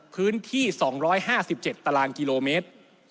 พื้นที่๒๕๗ตารางกิโลเมตร